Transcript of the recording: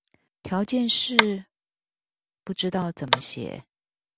條件式不知道怎麼寫